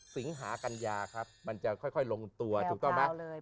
สิงหากัญญาครับมันจะค่อยลงตัวถูกต้องไหม